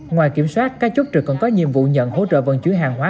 ngoài kiểm soát các chốt trực còn có nhiệm vụ nhận hỗ trợ vận chuyển hàng hóa